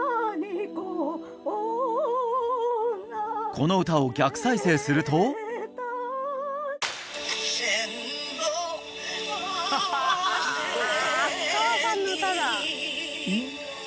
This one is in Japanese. この歌を逆再生するとうわはあ